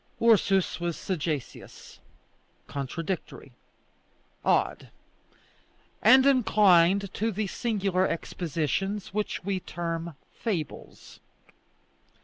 Ursus was sagacious, contradictory, odd, and inclined to the singular expositions which we term fables.